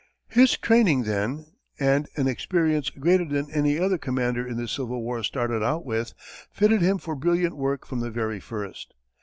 His training, then, and an experience greater than any other commander in the Civil War started out with, fitted him for brilliant work from the very first.